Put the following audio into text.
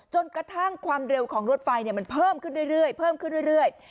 จนกระทั่งความเร็วของรถไฟมันเพิ่มขึ้นเรื่อย